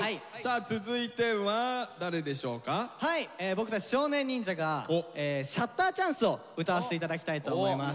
僕たち少年忍者が「シャッターチャンス」を歌わせていただきたいと思います。